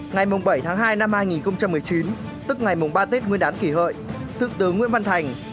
ngày bảy tháng hai năm hai nghìn một mươi chín tức ngày ba tết nguyên đán kỷ hợi thượng tướng nguyễn văn thành